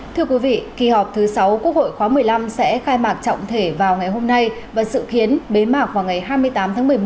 thưa quý vị kỳ họp thứ sáu quốc hội khóa một mươi năm sẽ khai mạc trọng thể vào ngày hôm nay và sự khiến bế mạc vào ngày hai mươi tám tháng một mươi một